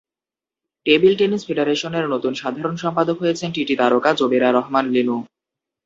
Table tennis ফেডারেশনের নতুন সাধারণ সম্পাদক হয়েছেন টিটি তারকা জোবেরা রহমান লিনু।